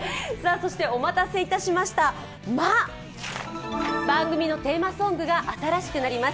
そして、お待たせいたしました、「マ」番組のテーマソングが新しくなります。